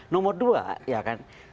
nomor dua ya kan